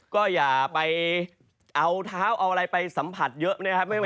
ก็อย่าไปเอาเท้าเอาอะไรไปสัมผัสเยอะนะครับ